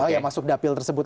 yang masuk dapil tersebut